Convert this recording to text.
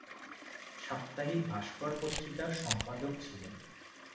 সাপ্তাহিক "ভাস্কর" পত্রিকার সম্পাদক ছিলেন।